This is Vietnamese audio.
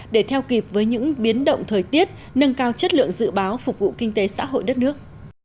để theo kịp với những biến động thời tiết nâng cao chất lượng dự báo phục vụ kinh tế xã hội đất nước